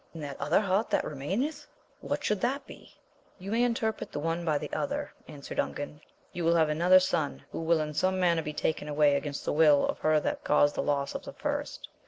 And that other heart that remained ? what should that be %— You may interpret the one by the other, answered Ungan : you will have another son, who will in some manner be taken away against the will of her that caused the loss of the first.